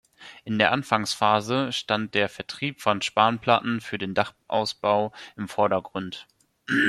In der Anfangsphase stand der Vertrieb von Spanplatten für den Dachausbau im Vordergrund.